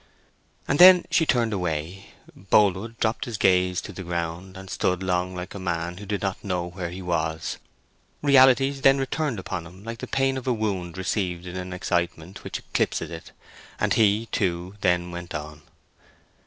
And then she turned away. Boldwood dropped his gaze to the ground, and stood long like a man who did not know where he was. Realities then returned upon him like the pain of a wound received in an excitement which eclipses it, and he, too, then went on.